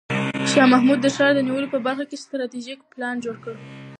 شاه محمود د ښار د نیولو په برخه کې ستراتیژیک پلان جوړ کړ.